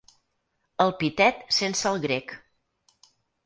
El pitet sense el grec.